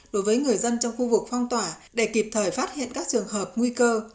đối với người dân trong khu vực phong tỏa để kịp thời phát hiện các trường hợp nguy cơ